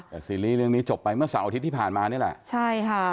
แต่ซีรีส์เรื่องนี้จบไปเมื่อเสาร์อาทิตย์ที่ผ่านมานี่แหละใช่ค่ะ